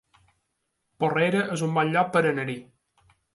Porrera es un bon lloc per anar-hi